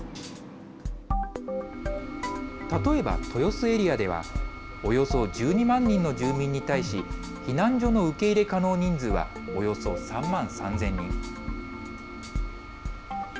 例えば豊洲エリアではおよそ１２万人の住民に対し避難所の受け入れ可能人数はおよそ３万３０００人。